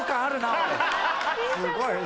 すごいな。